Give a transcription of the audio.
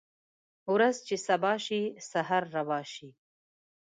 ورځ چې سبا شي سحر روا شي